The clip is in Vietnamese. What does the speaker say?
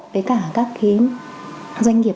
với cả các cái doanh nghiệp